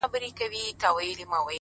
موخه لرونکی فکر سرګرداني کموي.!